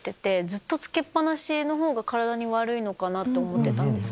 ずっとつけっ放しの方が体に悪いのかと思ってたんです。